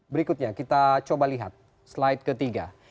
berikutnya kita coba lihat slide ketiga